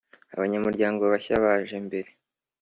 abanyamuryango bashya baje mbere